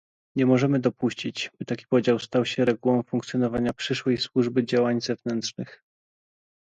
Nie możemy dopuścić, by taki podział stał się regułą funkcjonowania przyszłej Służby Działań Zewnętrznych